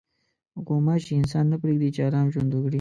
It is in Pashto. غوماشې انسان نه پرېږدي چې ارام ژوند وکړي.